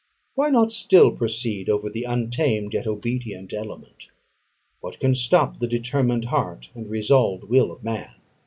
Why not still proceed over the untamed yet obedient element? What can stop the determined heart and resolved will of man?